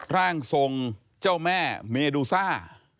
ร่างทรงเจ้าแม่เมดูซ่า